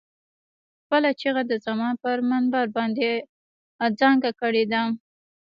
خپله چيغه د زمان پر منبر باندې اذانګه کړې ده.